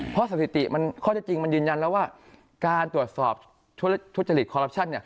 เพราะสถิติข้อเท็จจริงมันยืนยันแล้วว่าการตรวจสอบทุจริตคอรัปชั่น